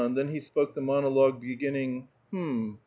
then he spoke the monolc^ue beginning ^^Ilm